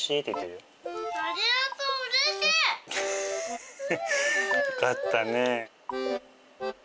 よかったね。